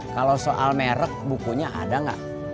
kalau soal merek bukunya ada nggak